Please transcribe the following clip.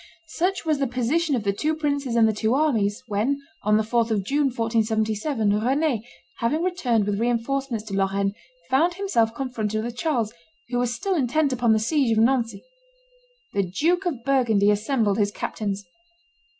Such was the position of the two princes and the two armies, when, on the 4th of June, 1477, Rend, having returned with re enforcements to Lorraine, found himself confronted with Charles, who was still intent upon the siege of Nancy. The Duke of Burgundy assembled his captains.